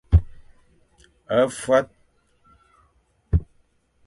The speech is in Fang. A fuat.